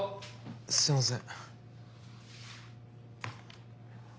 すみません。